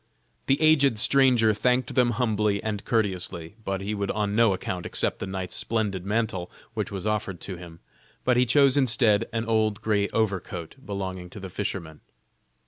The aged stranger thanked them humbly and courteously, but he would on no account accept the knight's splendid mantle, which was offered to him; but he chose instead an old gray overcoat belonging to the fisherman.